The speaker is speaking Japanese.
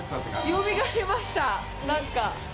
よみがえりました、なんか。